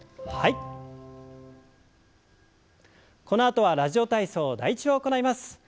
このあとは「ラジオ体操第１」を行います。